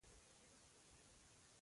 د روغ زړګي نه پکې تللې افسانې رانیسم